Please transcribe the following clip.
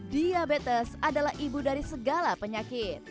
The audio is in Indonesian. diabetes adalah ibu dari segala penyakit